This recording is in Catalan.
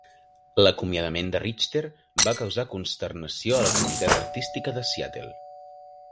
L'acomiadament de Richter va causar consternació a la comunitat artística de Seattle.